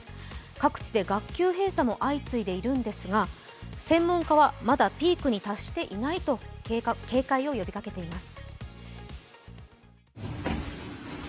各地で学級閉鎖も相次いでいるんですが専門家はまだピークに達していないと警戒を呼びかけています。